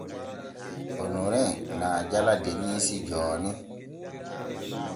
Onomrin na jala Denisi jooni.